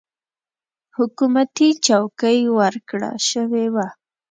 حکومتي چوکۍ ورکړه شوې وه.